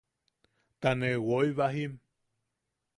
Ta ne woi bajim...